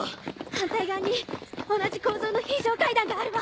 反対側に同じ構造の非常階段があるわ。